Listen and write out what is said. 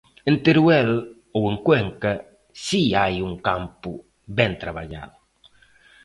En Teruel ou en Cuenca si hai un campo ben traballado.